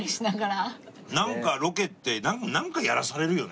なんかロケってなんかやらされるよね？